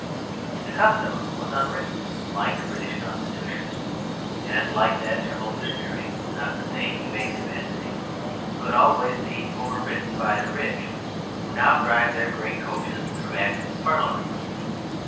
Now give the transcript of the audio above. The custom was "unwritten," like the British Constitution, and (like that evolutionary, not to say evasive entity) could always be overridden by the rich, who now drive their great coaches through Acts of Parliament.